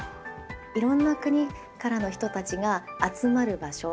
いろんな国からの人たちが集まる場所